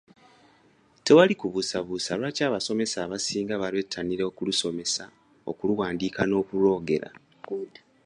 Tewali kubuusabuusa lwaki abasomesa abasinga balwettanira okulusomesa, okuluwandiika n'okulwogera.